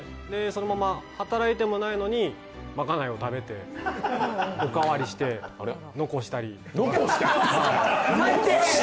そのまま働いてもないのに賄いを食べておかわりして、残したり。